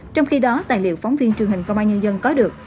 trong khi đó tài liệu phóng viên truyền hình công an nhân dân có được